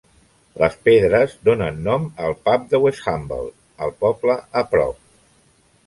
Les pedres donen nom al pub de Westhumble, el poble a prop.